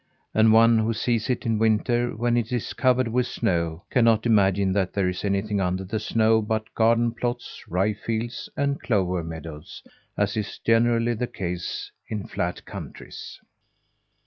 And one who sees it in winter, when it is covered with snow, cannot imagine that there is anything under the snow but garden plots, rye fields and clover meadows as is generally the case in flat countries.